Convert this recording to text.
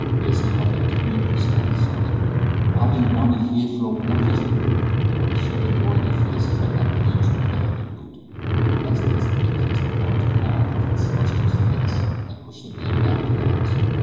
"Mlissy Hardie Kleep," snapped the servant. "Wally wanee here flo blekfas?", and would have shut the door in their faces had not Billy intruded a heavy boot. The next instant he placed a large palm over the celestial's face and pushed the man back into the house.